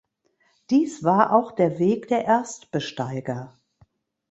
Dies war auch der Weg der Erstbesteiger.